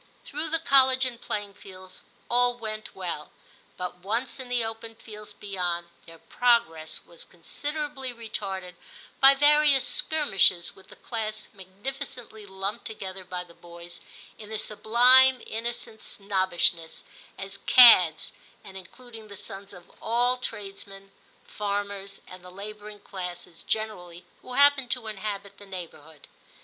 Through the College and playing fields all went well, but once in the open fields beyond, their progress was considerably retarded by various skirmishes with the class magnificently lumped together by the boys, in their sublime innocent snobbish ness, as *cads,' and including the sons of all tradesmen, farmers, and the labouring classes generally, who happened to inhabit the neigh bourhood.